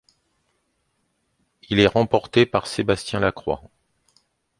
Il est remporté par Sébastien Lacroix.